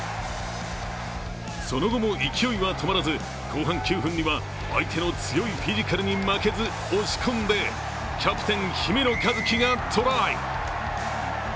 その後も勢いは止まらず、後半９分には相手の強いフィジカルに負けず押し込んでキャプテン・姫野和樹がトライ。